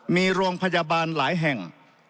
มีโรงพยาบาลหลายแห่ง